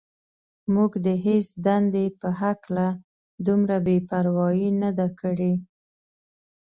موږ د هېڅ دندې په هکله دومره بې پروايي نه ده کړې.